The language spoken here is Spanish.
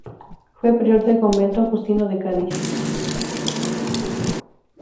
Fue prior del convento agustino de Cádiz.